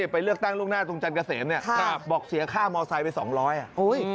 ไปเลือกตั้งลูกหน้าตรงจันทร์เกษตรบอกเสียค่ามอเตอร์ไซค์ไป๒๐๐บาท